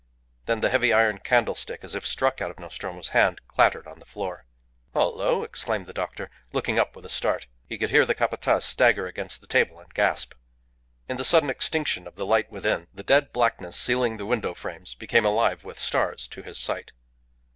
Then the heavy iron candlestick, as if struck out of Nostromo's hand, clattered on the floor. "Hullo!" exclaimed the doctor, looking up with a start. He could hear the Capataz stagger against the table and gasp. In the sudden extinction of the light within, the dead blackness sealing the window frames became alive with stars to his sight.